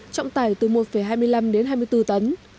trọng tải từ một hai mươi năm đến hai mươi bốn tấn